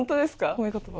褒め言葉？